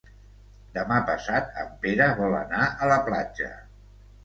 Demà passat en Pere vol anar a la platja.